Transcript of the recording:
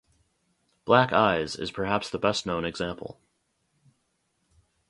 "Black Eyes" is perhaps the best known example.